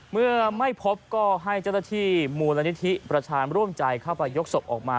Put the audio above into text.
เมื่อไม่พบก็ให้เจ้าหน้าที่มูลนิธิประชาญร่วมใจเข้าไปยกศพออกมา